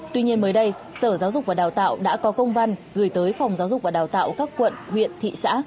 tuy nhiên mới đây sở giáo dục và đào tạo đã có công văn gửi tới phòng giáo dục và đào tạo các quận huyện thị xã